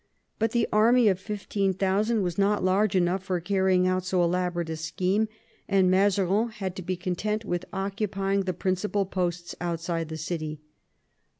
But the army of 15,000 was not large enough for carrying out so elaborate a scheme, and Mazarin had to be content with occupying the prin cipal posts outside the city.